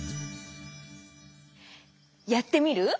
やってみる？